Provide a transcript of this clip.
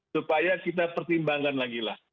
supaya kita pertimbangkan lagi lah